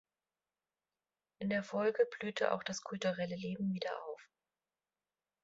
In der Folge blühte auch das kulturelle Leben wieder auf.